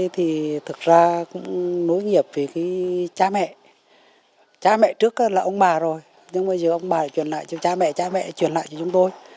thực ra cũng nối nghiệp với cha mẹ cha mẹ trước là ông bà rồi nhưng bây giờ ông bà chuyển lại cho cha mẹ cha mẹ chuyển lại cho chúng tôi